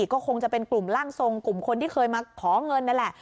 ก็คงจะเป็นกลุ่มร่างทรงกลุ่มคนที่เคยมาขอเงินนั่นแหละ